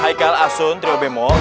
hai kal asun triobemo